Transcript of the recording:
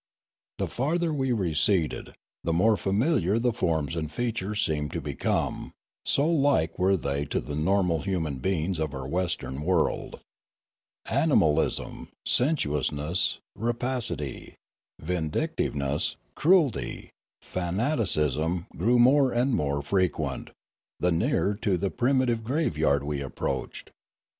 The farther we re ceded, the more familiar the forms and features seemed to become, so like were they to the normal human be ings of our Western world. Animalism, sensuous ness, rapacity, vindictiveness, cruelty, fanaticism grew more and more frequent, the nearer to the primitive graveyard we approached.